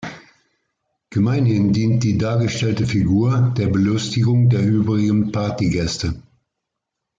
Gemeinhin dient die dargestellte Figur der Belustigung der übrigen Partygäste.